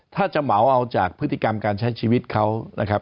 ถ้าจะเหมาเอาจากพฤติกรรมการใช้ชีวิตเขานะครับ